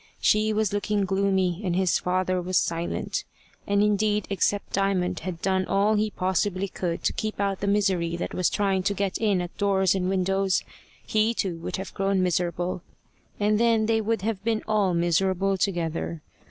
She was looking gloomy, and his father was silent; and indeed except Diamond had done all he possibly could to keep out the misery that was trying to get in at doors and windows, he too would have grown miserable, and then they would have been all miserable together.